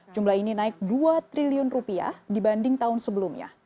jumlah ini naik rp dua triliun dibanding tahun sebelumnya